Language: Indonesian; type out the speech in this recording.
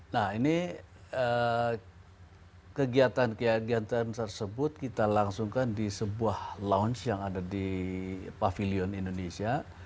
nah ini kegiatan kegiatan tersebut kita langsungkan di sebuah lounge yang ada di pavilion indonesia